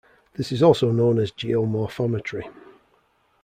This is also known as geomorphometry.